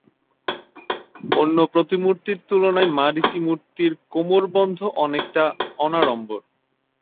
অন্য প্রতিমূর্তির তুলনায় মারীচী মূর্তির কোমরবন্ধ অনেকটা অনাড়ম্বর।